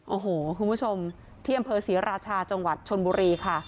โอ้โหคุณผู้ชมที่อำเภอศรีราชาจังหวัดชนบุรีค่ะ